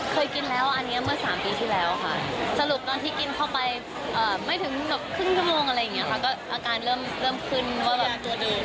เคยกินแล้วอันนี้เมื่อ๓ปีที่แล้วค่ะสรุปตอนที่กินเข้าไปไม่ถึงแบบครึ่งชั่วโมงอะไรอย่างนี้ค่ะก็อาการเริ่มขึ้นว่าแบบตัวดี